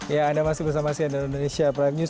ya anda masih bersama sian indonesia prime news